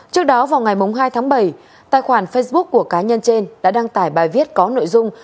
trước đó vào ngày hai tháng bảy tài khoản facebook của cá nhân trên đã đăng tải bài viết có nội dung